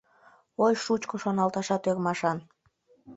Ой, шучко, шоналташат ӧрмашан.